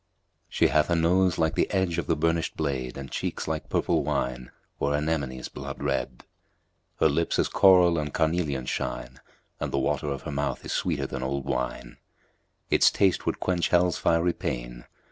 She hath a nose like the edge of the burnished blade and cheeks like purple wine or anemones blood red: her lips as coral and carnelian shine and the water of her mouth is sweeter than old wine; its taste would quench Hell's fiery pain.